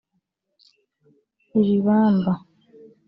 ibibamba